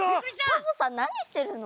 サボさんなにしてるの？